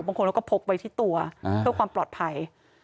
บางคนเขาก็พกไว้ที่ตัวเพื่อความปลอดภัย